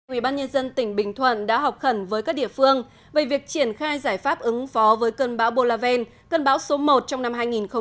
ubnd tỉnh bình thuận đã học khẩn với các địa phương về việc triển khai giải pháp ứng phó với cơn bão bolaven cơn bão số một trong năm hai nghìn một mươi tám